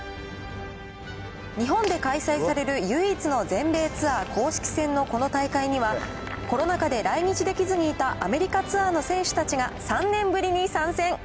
日本で開催される唯一の全米ツアー公式戦のこの大会には、コロナ禍で来日できずにいたアメリカツアーの選手たちが３年ぶりに参戦。